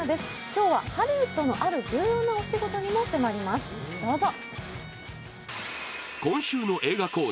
今日はハリウッドのある重要なお仕事にも迫ります、どうぞ。